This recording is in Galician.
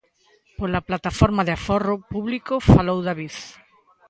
Pola Plataforma de Aforro Público falou David.